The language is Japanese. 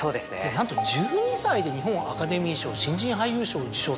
なんと１２歳で日本アカデミー賞新人俳優賞を受賞されたと。